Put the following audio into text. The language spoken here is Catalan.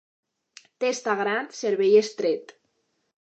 Testa gran, cervell estret.